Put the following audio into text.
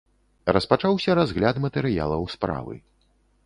Распачаўся разгляд матэрыялаў справы.